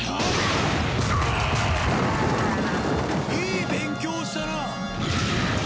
いい勉強をしたな！